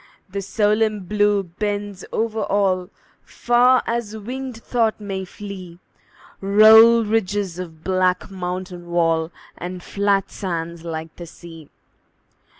The solemn Blue bends over all; Far as winged thought may flee Roll ridges of black mountain wall, And flat sands like the sea.